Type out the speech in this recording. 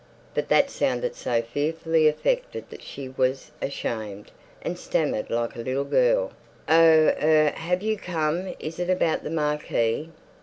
But that sounded so fearfully affected that she was ashamed, and stammered like a little girl, "Oh—er—have you come—is it about the marquee?"